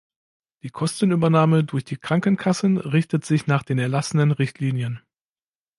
Die Kostenübernahme durch die Krankenkassen richtet sich nach den erlassenen Richtlinien.